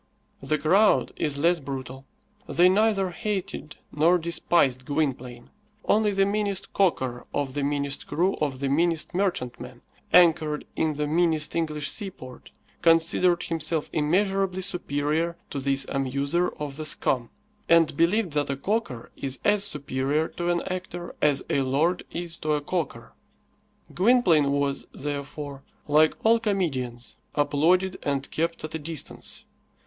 The crowd is less brutal. They neither hated nor despised Gwynplaine. Only the meanest calker of the meanest crew of the meanest merchantman, anchored in the meanest English seaport, considered himself immeasurably superior to this amuser of the "scum," and believed that a calker is as superior to an actor as a lord is to a calker. Gwynplaine was, therefore, like all comedians, applauded and kept at a distance.